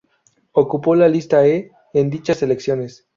Ocupó la lista E en dichas elecciones.